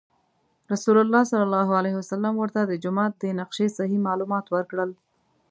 رسول الله صلی الله علیه وسلم ورته د جومات د نقشې صحیح معلومات ورکړل.